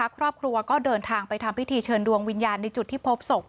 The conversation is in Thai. ครอบครัวก็เดินทางไปทำพิธีเชิญดวงวิญญาณในจุดที่พบศพ